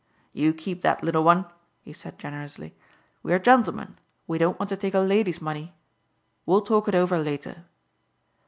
"You keep that, little one," he said generously. "We're gentlemen; we don't want to take a lady's money. We'll talk it over later."